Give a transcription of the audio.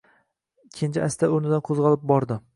Kenja asta o‘rnidan qo‘zg‘alib bordi.